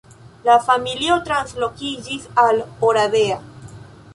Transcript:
La familio translokiĝis al Oradea.